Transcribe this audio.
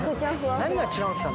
何が違うんですか？